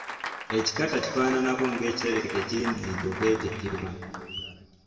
Ekikata kifaananako ng'ekitereke ekirindiridde okwetikkibwa.